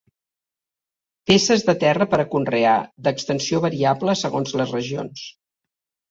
Peces de terra per a conrear, d'extensió variable segons les regions.